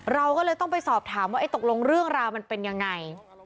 เราก็เลยต้องไปสอบถามว่าตกลงเรื่องราวมันเป็นยังไง